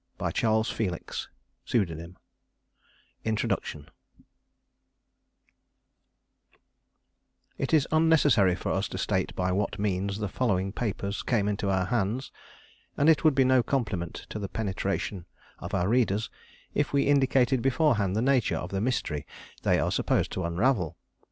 By CHARLES FELIX As it appeared in the magazine "Once A Week" (November 1862 January 1863) [_It is unnecessary for us to state by what means the following papers came into our hands, and it would be no compliment to the penetration of our readers if we indicated beforehand the nature of the mystery they are supposed to unravel.